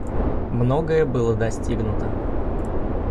Многое было достигнуто.